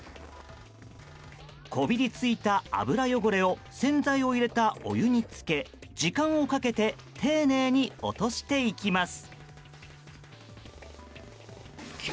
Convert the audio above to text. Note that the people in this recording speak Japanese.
こびりついた油汚れを洗剤を入れたお湯に浸け時間をかけて丁寧に落としていきます。